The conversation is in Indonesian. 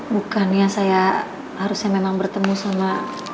bukannya saya harusnya memang bertemu sama